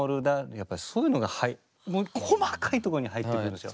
やっぱそういうのがもう細かいとこに入ってくるんですよ。